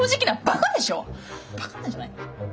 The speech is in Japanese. バカなんじゃないの！